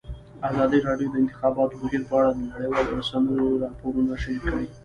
ازادي راډیو د د انتخاباتو بهیر په اړه د نړیوالو رسنیو راپورونه شریک کړي.